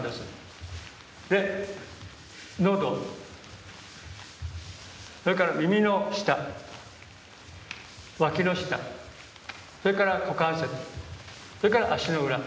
で喉それから耳の下わきの下それから股関節それから足の裏。